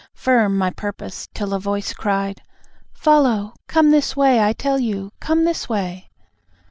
Firm my purpose, till a voice cried (Follow! Come this way I tell you come this way!)